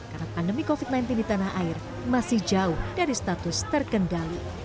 karena pandemi covid sembilan belas di tanah air masih jauh dari status terkendali